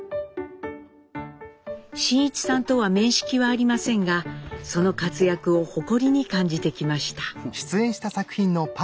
真一さんとは面識はありませんがその活躍を誇りに感じてきました。